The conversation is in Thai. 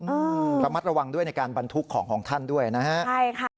อืมระมัดระวังด้วยในการบรรทุกของของท่านด้วยนะฮะใช่ค่ะ